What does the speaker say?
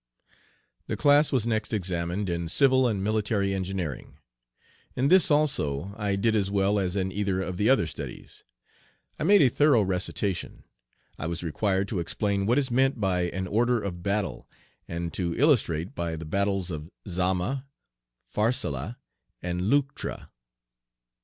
The class was next examined in civil and military engineering. In this also I did as well as in either of the other studies. I made a thorough recitation. I was required to explain what is meant by an "order of battle," and to illustrate by the battles of Zama, Pharsalia, and Leuctra.